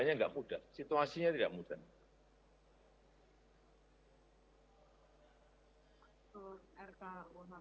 yang paling ini rotasi matra selain yang ada yang lain lainnya ya